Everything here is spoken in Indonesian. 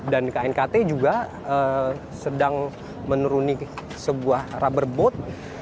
dan knkt juga sedang menuruni sebuah rubber boat